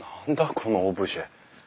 このオブジェ。